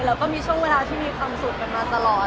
แล้วก็มีช่วงเวลาที่มีความสุขกันมาตลอด